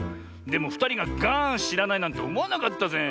でもふたりがガーンしらないなんておもわなかったぜ。